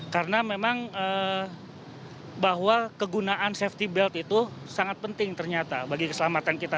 karena memang bahwa kegunaan safety belt itu sangat penting ternyata bagi keselamatan kita